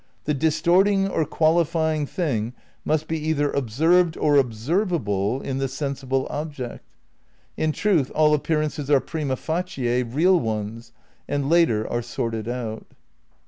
The distort 208 THE NEW IDEALISM v ing or qualifying thing must be either observed or observable in the sensible object. In truth all appearances are prima facie real ones, and later are sorted out."